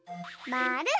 まる。